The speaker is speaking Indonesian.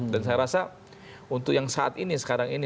dan saya rasa untuk yang saat ini sekarang ini